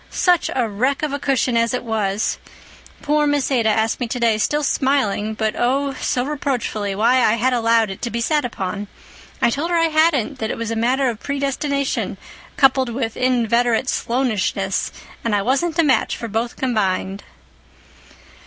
Such a wreck of a cushion as it was! Poor Miss Ada asked me today, still smiling, but oh, so reproachfully, why I had allowed it to be sat upon. I told her I hadn't—that it was a matter of predestination coupled with inveterate Sloanishness and I wasn't a match for both combined."